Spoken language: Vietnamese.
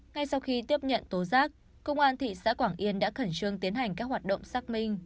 ngay sau khi tiếp nhận tố giác công an thị xã quảng yên đã khẩn trương tiến hành các hoạt động xác minh